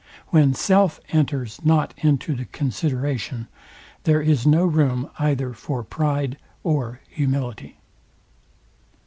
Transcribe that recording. When self enters not into the consideration, there is no room either for pride or humility.